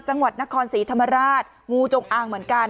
จังหวัดนครศรีธรรมราชงูจงอางเหมือนกัน